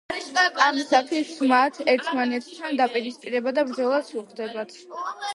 ამისათვის მათ ერთმანეთთან დაპირისპირება და ბრძოლაც უხდებათ.